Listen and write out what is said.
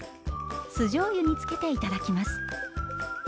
酢じょうゆにつけて頂きます。